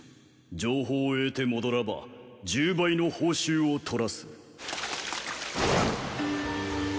情報を得て戻らば十倍の報酬を取らす。